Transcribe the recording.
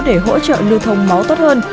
để hỗ trợ lưu thông máu tốt hơn